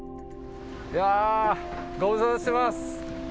いやー、ご無沙汰してます。